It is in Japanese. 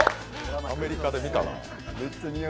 アメリカで見たな。